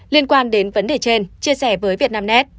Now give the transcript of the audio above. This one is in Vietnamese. liên quan đến vấn đề trên chia sẻ với vietnamnet